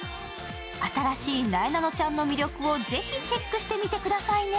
新しいなえなのちゃんの魅力をぜひチェックしてみてくださいね。